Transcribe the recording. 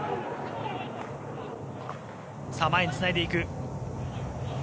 前につないでいく。